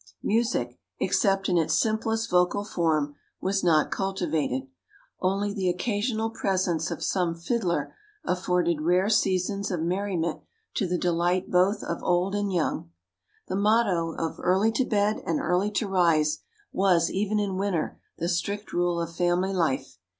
Music, except in its simplest vocal form, was not cultivated; only the occasional presence of some fiddler afforded rare seasons of merriment to the delight both of old and young. The motto of "Early to bed and early to rise" was, even in winter, the strict rule of family life.